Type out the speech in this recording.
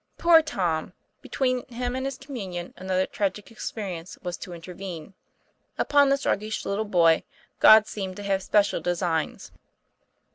Poor Tom! Between him and his Communion another tragic experience was to intervene. Upon this roguish little boy God seemed to have special designs.